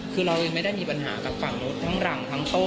คือเราไม่ได้มีปัญหากับฝั่งโรงทางรังทางโต้